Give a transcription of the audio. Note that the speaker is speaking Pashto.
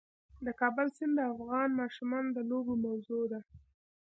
د کابل سیند د افغان ماشومانو د لوبو موضوع ده.